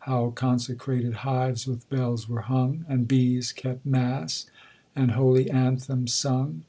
How consecrated hives with bells were hung, And bees kept mass, and holy anthems sung!